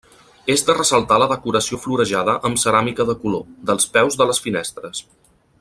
És de ressaltar la decoració florejada amb ceràmica de color, dels peus de les finestres.